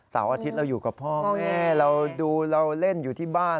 อาทิตย์เราอยู่กับพ่อแม่เราดูเราเล่นอยู่ที่บ้าน